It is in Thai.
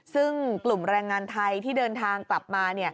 ซึ่งกลุ่มแรงงานไทยที่เดินทางกลับมา